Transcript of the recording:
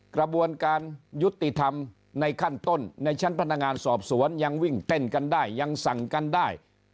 กระบวนการยุติธรรมในขั้นต้นในชั้นพนักงานสอบสวนยังวิ่งเต้นกันได้ยังสั่งกันได้